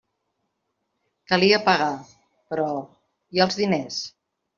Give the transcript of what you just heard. Calia pagar; però... i els diners?